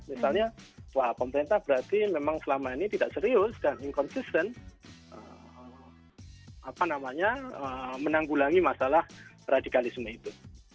misalnya wah pemerintah berarti memang selama ini tidak serius dan inconsisten menanggulangi masalah radikalisme itu